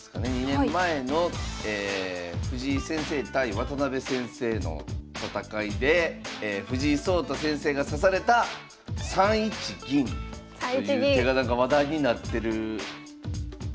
２年前の藤井先生対渡辺先生の戦いで藤井聡太先生が指された３一銀という手がなんか話題になってたじゃないですか。